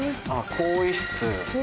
更衣室。